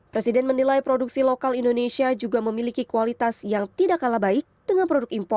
presiden menilai produksi lokal indonesia juga memiliki kualitas yang tidak kalah baik dengan produk impor